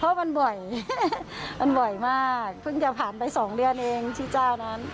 เพราะมันบ่อยมันบ่อยมากเพิ่งจะผ่านไปสองเดือนเองที่เจ้านั้น